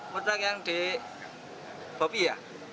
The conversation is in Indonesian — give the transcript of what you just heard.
kotak yang di bopi ya